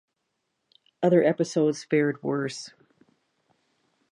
Other episodes fared worse.